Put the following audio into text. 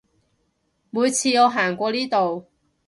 每次我行過呢度